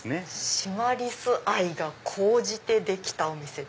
シマリス愛が高じてできたお店。